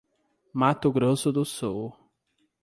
Mato Grosso do Sul